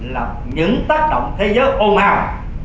là những tác động thế giới ôm ào